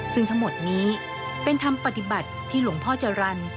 ซึ่งทั้งหมดนี้เป็นธรรมปฏิบัติที่หลวงพ่อจรรย์